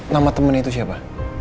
nama temen itu siapa